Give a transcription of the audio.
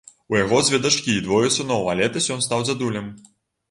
У яго дзве дачкі і двое сыноў, а летась ён стаў дзядулем.